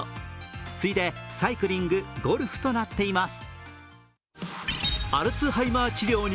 次いでサイクリング、ゴルフとなっています。